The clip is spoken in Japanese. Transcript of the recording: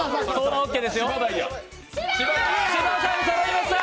芝さんそろいました。